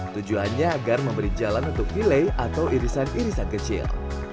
tujuannya agar memberi jalan untuk file atau irisan irisan kecil